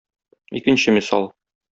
Икенче мисал.